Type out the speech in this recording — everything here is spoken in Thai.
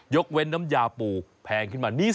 เว้นน้ำยาปูแพงขึ้นมานิดน